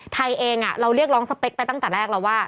ไทยเองเราเรียกร้องสเปคไปตั้งแต่แรกแล้วว่า